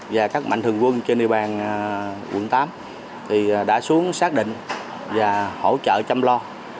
và các mạnh thường quân trên địa bàn quận tám thì đã xuống xác định và hỗ trợ chăm lo